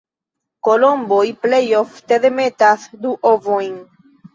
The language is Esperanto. Kolomboj plej ofte demetas du ovojn.